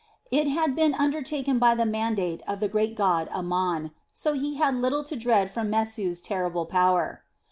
It had been undertaken by the mandate of the great god Amon, so he had little to dread from Mesu's terrible power.